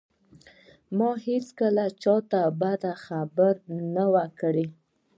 ما هېڅکله چاته بده خبره نه وه کړې